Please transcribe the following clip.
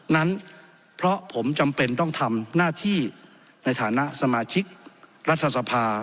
นั้นเพราะผมจำเป็นต้องทำหน้าที่ในฐานะสมาชิกรัฐสภา